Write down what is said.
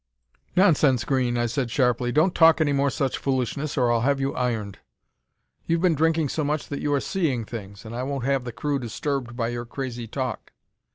"'Nonsense, Green!' I said sharply. 'Don't talk any more such foolishness or I'll have you ironed. You've been drinking so much that you are seeing things, and I won't have the crew disturbed by your crazy talk.'